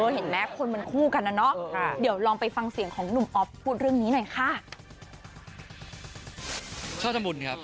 เห็นไหมคนมันคู่กันนะเนาะเดี๋ยวลองไปฟังเสียงของหนุ่มอ๊อฟพูดเรื่องนี้หน่อยค่ะ